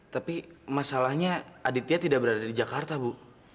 tapi masalahnya aditya tidak berada di jakarta bu